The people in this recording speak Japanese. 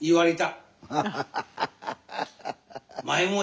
ハハハハハ！